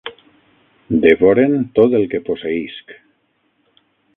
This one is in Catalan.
Devoren tot el que posseïsc.